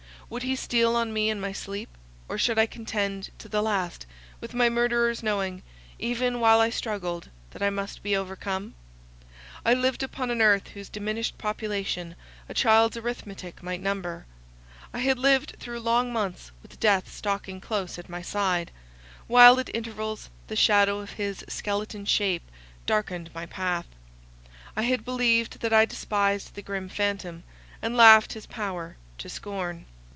Would he steal on me in my sleep; or should I contend to the last with my murderers, knowing, even while I struggled, that I must be overcome? I lived upon an earth whose diminished population a child's arithmetic might number; I had lived through long months with death stalking close at my side, while at intervals the shadow of his skeleton shape darkened my path. I had believed that I despised the grim phantom, and laughed his power to scorn.